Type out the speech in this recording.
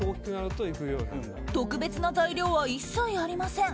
特別な材料は一切ありません。